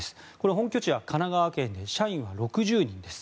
本拠地は神奈川県で社員は６０人です。